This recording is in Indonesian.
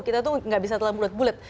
kita tuh enggak bisa telan bulat bulat